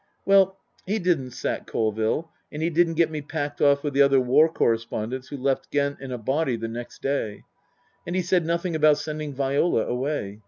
Well, he didn't sack Colville ; and he didn't get me packed off with the other war correspondents who left Ghent in a body the next day. And he said nothing about sending Viola away.